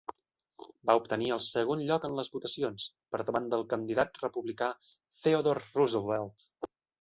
Va obtenir el segon lloc en les votacions, per davant del candidat republicà Theodore Roosevelt.